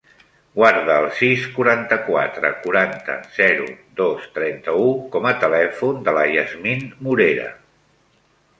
Guarda el sis, quaranta-quatre, quaranta, zero, dos, trenta-u com a telèfon de la Yasmin Morera.